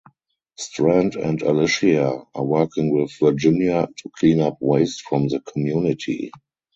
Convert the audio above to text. Strand and Alicia are working with Virginia to clean up waste from the community.